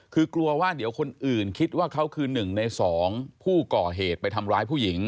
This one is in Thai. คือกลัวว่าเดี๋ยวคนอื่นคิดว่าเขาคือ๑ใน๒ผู้ก่อเหตุไปทำร้ายผู้หญิง